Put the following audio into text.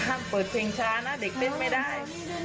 เปิดเพลงช้านะเด็กเล่นไม่ได้